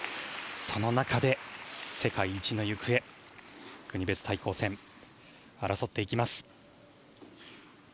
その中で世界一の行方国別対抗戦、争っていきます。